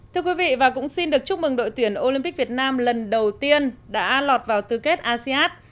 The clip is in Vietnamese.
thưa quý vị và cũng xin được chúc mừng đội tuyển olympic việt nam lần đầu tiên đã lọt vào tư kết asean